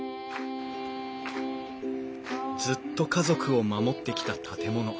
ずっと家族を守ってきた建物。